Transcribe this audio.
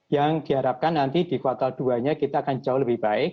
yang diharapkan nanti di kuartal dua nya kita akan jauh lebih baik